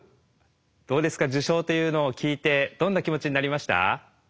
どうですか受賞というのを聞いてどんな気持ちになりました？